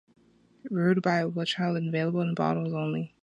Brewed by Wychwood and available in bottles only.